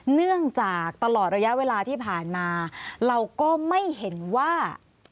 เนื่องจากตลอดระยะเวลาที่ผ่านมาเราก็ไม่เห็นว่า